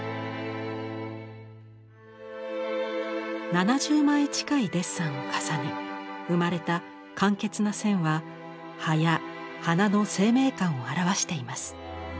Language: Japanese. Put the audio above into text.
７０枚近いデッサンを重ね生まれた簡潔な線は葉や花の生命感を表しています。